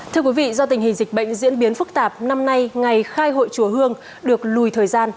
thưa quý vị do tình hình dịch bệnh diễn biến phức tạp năm nay ngày khai hội chùa hương được lùi thời gian